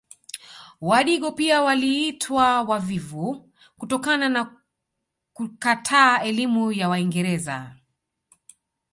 Wadigo pia waliitwa wavivu kutokana kukataa elimu ya waingereza